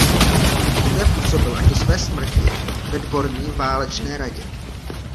Poté působil až do své smrti ve Dvorní válečné radě.